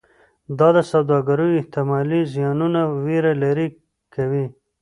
دا د سوداګرو احتمالي زیانونو ویره لرې کوي.